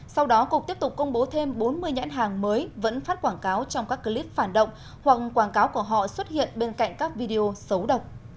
sau đó cục tiếp tục công bố thêm bốn mươi nhãn hàng mới vẫn phát quảng cáo trong các clip phản động hoặc quảng cáo của họ xuất hiện bên cạnh các video xấu độc